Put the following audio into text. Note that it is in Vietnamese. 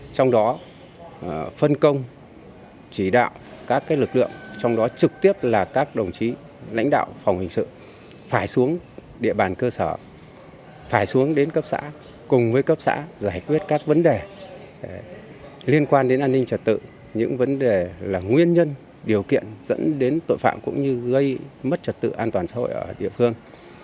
trong đó phân công chỉ đạo các lực lượng trong đó trực tiếp là các đồng chí lãnh đạo phòng hình sự phải xuống địa bàn cơ sở phải xuống đến cấp xã cùng với cấp xã giải quyết các vấn đề liên quan đến an ninh trật tự những vấn đề là nguyên nhân điều kiện dẫn đến tội phạm cũng như gây mất trật tự an toàn xã hội ở địa phương